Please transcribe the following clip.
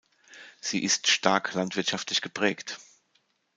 Sie ist stark landwirtschaftlich geprägt.